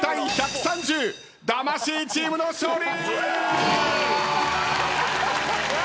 魂チームの勝利！